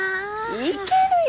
いけるよ。